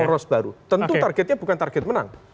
poros baru tentu targetnya bukan target menang